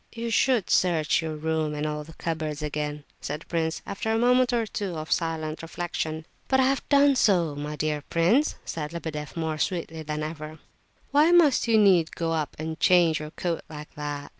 "You should search your room and all the cupboards again," said the prince, after a moment or two of silent reflection. "But I have done so, my dear prince!" said Lebedeff, more sweetly than ever. "H'm! why must you needs go up and change your coat like that?"